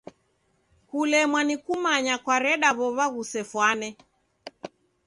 Kulemwa ni kumanya kwareda w'ow'a ghusefwane.